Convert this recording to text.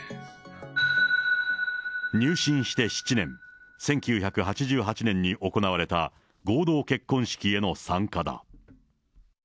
入信して７年、１９８８年に行われた合同結婚式への参加だ。